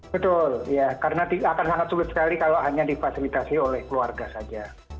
betul ya karena akan sangat sulit sekali kalau hanya difasilitasi oleh keluarga saja